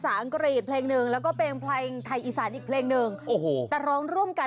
ว่าเพิ่งอยู่ในล้อมาเพียงแปลงความคิดอ่าน